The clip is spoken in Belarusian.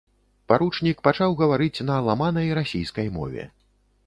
Паручнік пачаў гаварыць на ламанай расійскай мове.